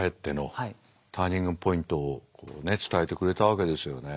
ターニングポイントを伝えてくれたわけですよね。